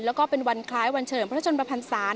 แล้วก็เป็นวันคล้ายวันเฉลิมพระชนประพันศาส